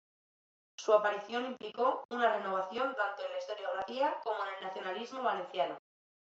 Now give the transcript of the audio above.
Su aparición implicó una renovación tanto en la historiografía como en el nacionalismo valenciano.